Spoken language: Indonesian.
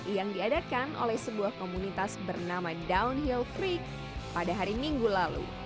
yang diadakan oleh sebuah komunitas bernama downhill free pada hari minggu lalu